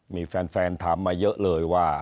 มีแฟนถามมาเยอะเลยว่า